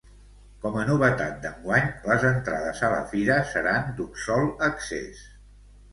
Com a novetat d'enguany les entrades a la fira seran d'un sol accés.